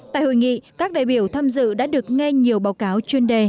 tại hội nghị các đại biểu tham dự đã được nghe nhiều báo cáo chuyên đề